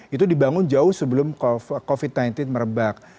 itu dibangun jauh sebelum covid sembilan belas merebak